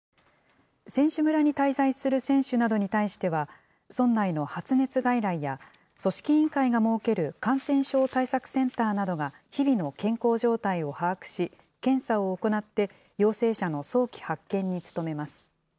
選手村に滞在する選手などに対しては、村内の発熱外来や、組織委員会が設ける感染症対策センターなどが日々の健康状態を把握し、検査を行って、陽性者の早期発見に努めます。